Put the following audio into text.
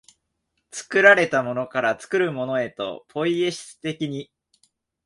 作られたものから作るものへと、ポイエシス的に、